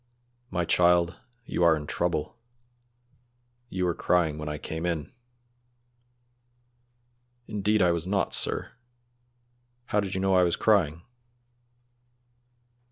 "My child, you are in trouble. You were crying when I came in. "Indeed I was not, sir! how did you know I was crying?"